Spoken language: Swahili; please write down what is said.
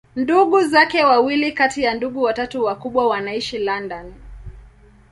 Ndugu zake wawili kati ya ndugu watatu wakubwa wanaishi London.